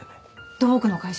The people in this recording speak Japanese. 土木の会社？